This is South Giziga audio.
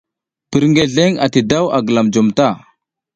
Birngeleŋ ati daw a gilam jom ta.